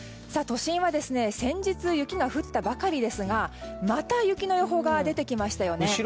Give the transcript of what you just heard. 都心は先日雪が降ったばかりですがまた雪の予報が出てきましたよね。